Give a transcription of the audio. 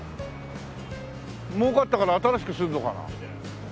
もうかったから新しくするのかな。